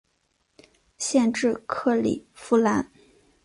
县治克里夫兰。